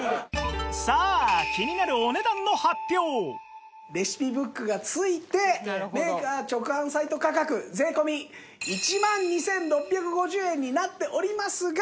さあレシピブックが付いてメーカー直販サイト価格税込１万２６５０円になっておりますが。